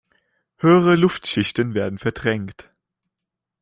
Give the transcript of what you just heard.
Höhere Luftschichten werden verdrängt.